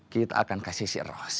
kita akan kasih si eros